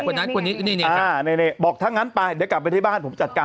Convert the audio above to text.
มันก็จับไม่ได้มันก็จับไม่ได้มันก็จับไม่ได้มันก็จับไม่ได้